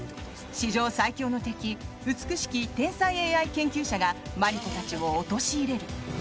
史上最強の敵美しき天才ＡＩ研究者がマリコたちを陥れる。